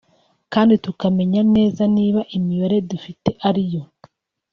kandi tukamenya neza niba imibare dufite ari yo